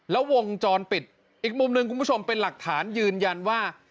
แล้ววงจรปิดอีกมุมหนึ่งคุณผู้ชมเป็นหลักฐานยืนยันว่า